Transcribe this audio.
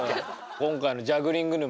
今回の「ジャグリング沼」